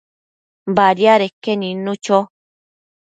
Badiadeque nidnu cho